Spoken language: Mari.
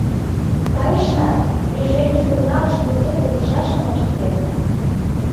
Кайышна, движений журналыш кузе возышашым ончыктем.